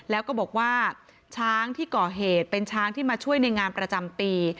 แล้วก็บอกว่าช้างที่ก่อเหตุเป็นช้างที่มาช่วยในงานประจำปี